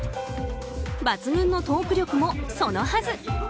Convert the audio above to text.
抜群のトーク力も、そのはず。